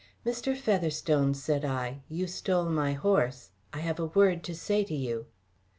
"Mr. Featherstone," said I, "you stole my horse; I have a word to say to you."